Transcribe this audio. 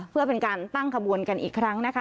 เพื่อเป็นการตั้งขบวนกันอีกครั้งนะคะ